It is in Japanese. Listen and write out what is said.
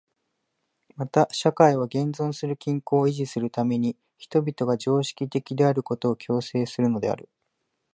また社会は現存する均衡を維持するために人々が常識的であることを強制するのである。